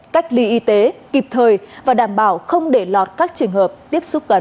cách ly y tế kịp thời và đảm bảo không để lọt các trường hợp tiếp xúc gần